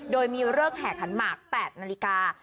โดยมีเลิกแห่ขันหมาก๘นาฬิกา